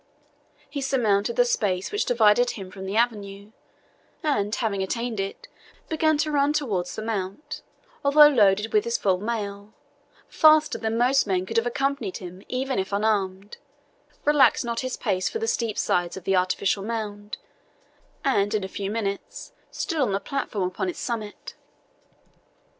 He surmounted the space which divided him from the avenue, and, having attained it, began to run towards the mount, although loaded with his mail, faster than most men could have accompanied him even if unarmed, relaxed not his pace for the steep sides of the artificial mound, and in a few minutes stood on the platform upon its summit.